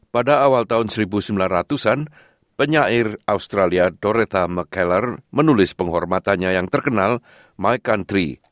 pada awal tahun seribu sembilan ratus an penyair australia toreta mccaller menulis penghormatannya yang terkenal mic country